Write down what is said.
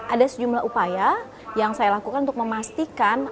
ada sejumlah upaya yang saya lakukan untuk memastikan